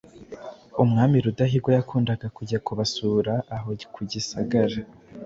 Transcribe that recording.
Umwami Rudahigwa yakundaga kujya kubasura aho ku Gisagara.